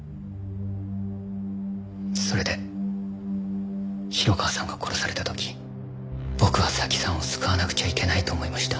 それで城川さんが殺された時僕は早紀さんを救わなくちゃいけないと思いました。